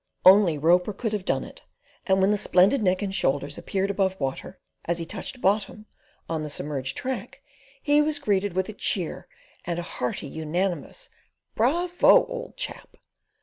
Only Roper could have done it; and when the splendid neck and shoulders appeared above water as he touched bottom, on the submerged track, he was greeted with a cheer and a hearty, unanimous "Bravo! old chap!"